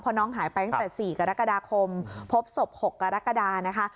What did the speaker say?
น้องหายไปตั้งแต่๔กรกฎาคมพบศพ๖กรกฎานะคะ